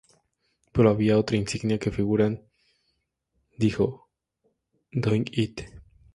Pero había otra insignia que figuran dijo 'Doing It!